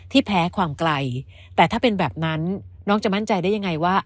แพ้ความไกลแต่ถ้าเป็นแบบนั้นน้องจะมั่นใจได้ยังไงว่า